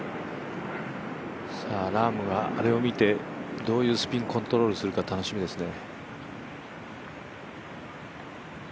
ラームがあれを見てどういうスピンコントロールするのか楽しみですね。